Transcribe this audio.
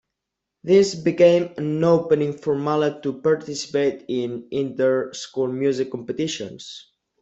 This became an opening for Mala to participate in inter school music competitions.